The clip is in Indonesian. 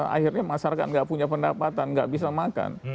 akhirnya masyarakat nggak punya pendapatan nggak bisa makan